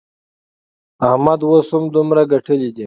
احمد اوس دومره ګټلې دي.